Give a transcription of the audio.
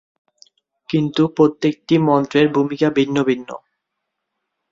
কিন্তু প্রত্যেকটি মন্ত্রের ভূমিকা ভিন্ন ভিন্ন।